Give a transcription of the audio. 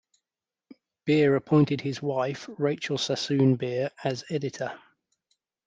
Beer appointed his wife, Rachel Sassoon Beer, as editor.